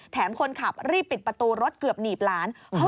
คนขับรีบปิดประตูรถเกือบหนีบหลาน